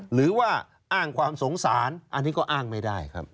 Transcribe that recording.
หรือว่าอ้างความสงสารอันนี้ก็อ้างไม่ได้ครับ